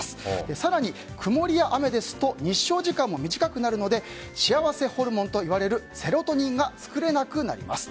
更に曇りや雨ですと日照時間も短くなるので幸せホルモンといわれるセロトニンが作れなくなります。